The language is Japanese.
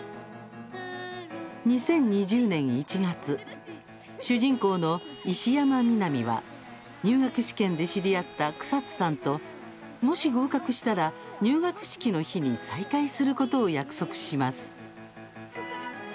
２０２０年１月主人公の石山美海は入学試験で知り合った草津さんともし合格したら入学式の日に再会することを約束します。